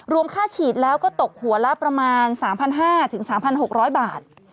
ค่าฉีดแล้วก็ตกหัวละประมาณ๓๕๐๐๓๖๐๐บาท